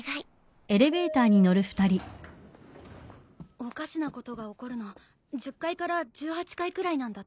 おかしなことが起こるの１０階から１８階くらいなんだって。